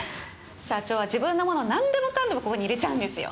社長は自分のものなんでもかんでもここに入れちゃうんですよ。